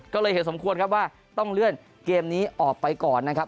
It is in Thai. ก็เลยเห็นสมควรครับว่าต้องเลื่อนเกมนี้ออกไปก่อนนะครับ